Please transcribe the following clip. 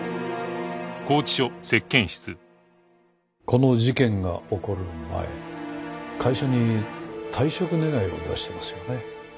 この事件が起こる前会社に退職願を出してますよね？